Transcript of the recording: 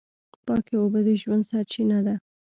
پاکې اوبه د ژوند سرچینه ده.